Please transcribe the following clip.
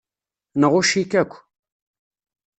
Nɣucc-ik akk.